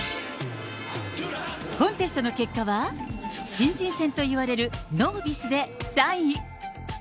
コンテストの結果は、新人戦といわれるノービスで３位。